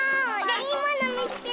いいものみつけた！